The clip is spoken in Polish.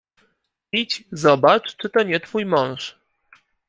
"Idź, zobacz, czy to nie twój mąż."